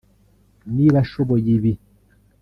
niba ashoboye ibi